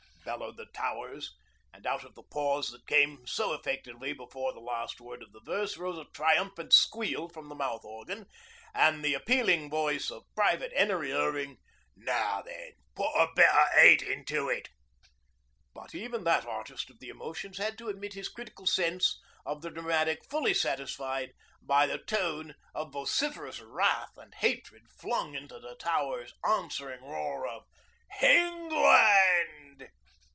bellowed the Towers, and out of the pause that came so effectively before the last word of the verse rose a triumphant squeal from the mouth organ, and the appealing voice of Private 'Enery Irving 'Naw then, put a bit of 'ate into it.' But even that artist of the emotions had to admit his critical sense of the dramatic fully satisfied by the tone of vociferous wrath and hatred flung into the Towers' answering roar of '.... _England!